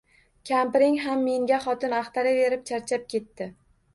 Kampiring ham menga xotin axtaraverib, charchab ketdi